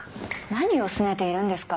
何をすねているんですか。